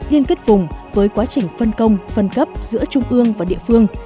liên kết vùng với quá trình phân công phân cấp giữa trung ương và địa phương